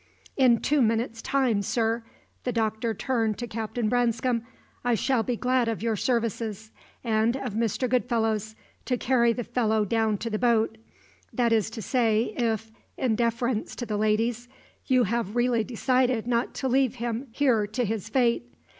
"In two minutes' time, sir" the Doctor turned to Captain Branscome "I shall be glad of your services, and of Mr. Goodfellow's, to carry the fellow down to the boat that is to say, if, in deference to the ladies, you have really decided not to leave him here to his fate.